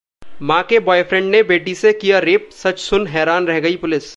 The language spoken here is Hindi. मां के ब्वॉयफ्रेंड ने बेटी से किया रेप, सच सुन हैरान रह गई पुलिस